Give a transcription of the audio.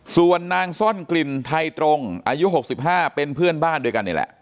ส่วนนางซ่อนกลิ่นไทยตรงอายุ๖๕เป็นเพื่อนบ้านด้วยกันนี่แหละ